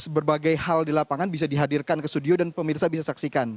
berbagai hal di lapangan bisa dihadirkan ke studio dan pemirsa bisa saksikan